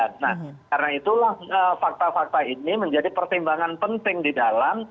nah karena itulah fakta fakta ini menjadi pertimbangan penting di dalam